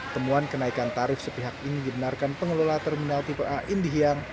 temuan kenaikan tarif sepihak ini dibenarkan pengelola terminal tipe a indihiyang